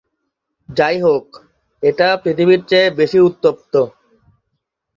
যাই হোক, এটা পৃথিবীর চেয়ে বেশি উত্তপ্ত।